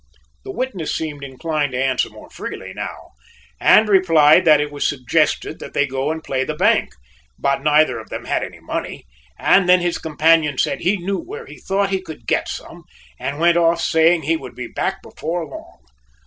The witness seemed inclined to answer more freely now, and replied that it was suggested that they go and play the bank, but neither of them had any money, and then his companion said he knew where he thought he could get some and went off saying he would be back before long.